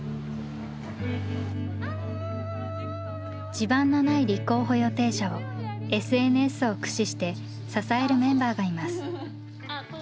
地盤のない立候補予定者をＳＮＳを駆使して支えるメンバーがいます。